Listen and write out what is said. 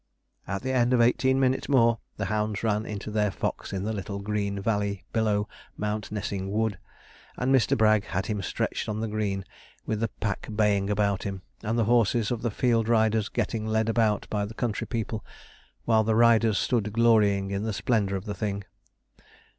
At the end of eighteen minutes more the hounds ran into their fox in the little green valley below Mountnessing Wood, and Mr. Bragg had him stretched on the green with the pack baying about him, and the horses of the field riders getting led about by the country people, while the riders stood glorying in the splendour of the thing.